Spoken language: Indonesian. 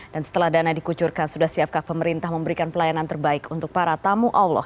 dan setelah dana dikucurkan sudah siapkah pemerintah memberikan pelayanan terbaik untuk para tamu allah